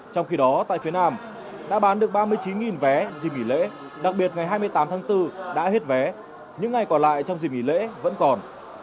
trong khi đó tại phía nam đã bán được ba mươi chín vé dịp nghỉ lễ đặc biệt ngày hai mươi tám tháng bốn đã hết vé những ngày còn lại trong dịp nghỉ lễ vẫn còn